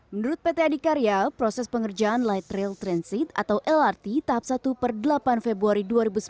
menurut pt adikarya proses pengerjaan light rail transit atau lrt tahap satu per delapan februari dua ribu sembilan belas